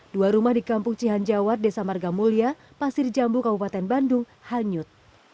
dua rumah di kampung cihan jawa desa margamulya pasir jambu kabupaten bandung hanyut